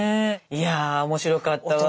いや面白かったわ。